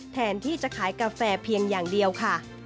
แทนที่จะขายกาแฟเพียงอย่างเดียวค่ะ